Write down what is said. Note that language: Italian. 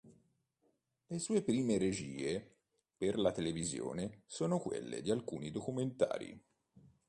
Le sue prime regie per la televisione sono quelle di alcuni documentari.